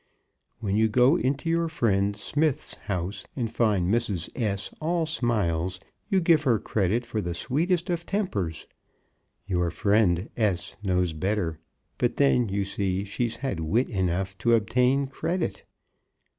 When you go into your friend Smith's house, and find Mrs. S. all smiles, you give her credit for the sweetest of tempers. Your friend S. knows better; but then you see she's had wit enough to obtain credit.